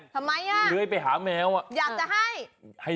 ทำไมล่ะอยากจะให้อยากจะให้